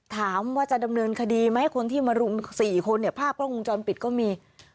ถามว่าจะดำเนินคดีไหมคนที่มารุม๔คนเนี่ยภาพกล้องวงจรปิดก็มี